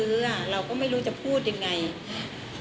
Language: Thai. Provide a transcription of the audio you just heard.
เราก็ไม่รู้จะพูดยังไง